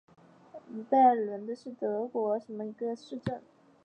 拜埃尔布伦是德国巴伐利亚州的一个市镇。